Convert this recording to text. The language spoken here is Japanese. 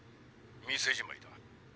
店じまいだ。